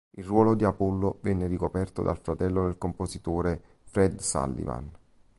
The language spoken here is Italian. Il ruolo di Apollo venne ricoperto dal fratello del compositore, Fred Sullivan.